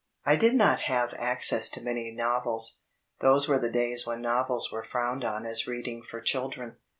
I did not have access to many novels. Those were the days when novels were frowned on as reading for children.